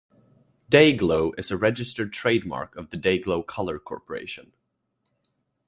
'Day-Glo' is a registered trademark of the Day-Glo Color Corporation.